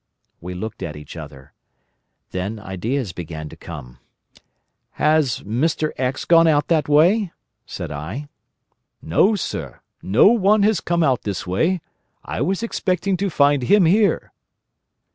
We looked at each other. Then ideas began to come. "Has Mr. —— gone out that way?" said I. "No, sir. No one has come out this way. I was expecting to find him here."